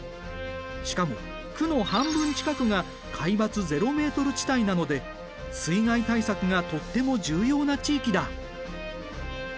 しかも区の半分近くが海抜ゼロメートル地帯なので水害対策がとっても重要な地域だ。